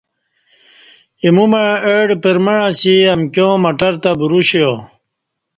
ایمو مع اہ ڈہ پرمع اسی امکیاں مٹرتہ بروشیا